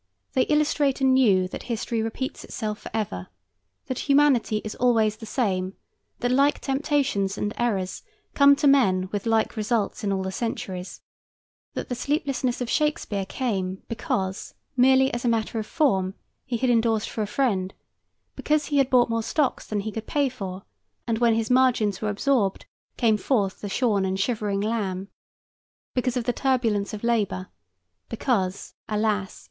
They illustrate anew that history repeats itself forever; that humanity is always the same; that like temptations and errors come to men with like results in all the centuries; that the sleeplessness of Shakespeare came, because, merely as a matter of form, he had indorsed for a friend, because he had bought more stocks than he could pay for, and when his margins were absorbed, came forth a shorn and shivering lamb, because of the turbulence of labor, because, alas!